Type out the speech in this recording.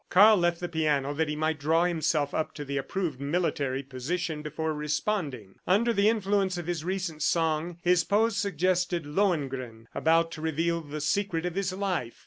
Karl left the piano that he might draw himself up to the approved military position before responding. Under the influence of his recent song, his pose suggested Lohengrin about to reveal the secret of his life.